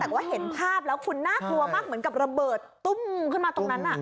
แต่ว่าเห็นภาพแล้วคุณน่ากลัวมากเหมือนกับระเบิดตุ้มขึ้นมาตรงนั้น